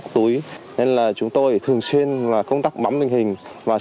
điều hành động của bác hồ